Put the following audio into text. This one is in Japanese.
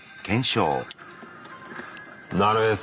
なるへそ。